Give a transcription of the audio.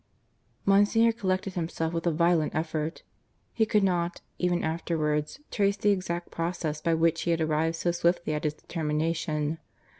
Monsignor collected himself with a violent effort. He could not, even afterwards, trace the exact process by which he had arrived so swiftly at his determination.